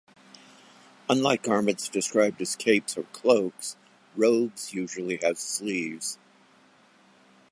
Unlike garments described as capes or cloaks, robes usually have sleeves.